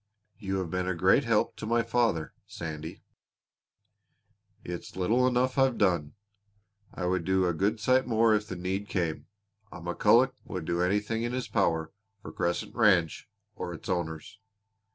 "You have been a great help to my father, Sandy." "It's little enough I've done. I would do a good sight more if the need came. A McCulloch would do anything in his power for Crescent Ranch or its owners."